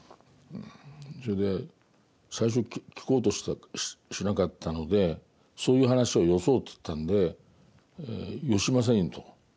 それで最初聞こうとしなかったので「そういう話はよそう」と言ったんで「よしません」と。